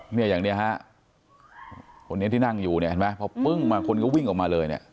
เนี่ยอย่างเนี้ยฮะคนนี้ที่นั่งอยู่เนี่ยเห็นไหมพอปึ้งมาคนก็วิ่งออกมาเลยเนี่ย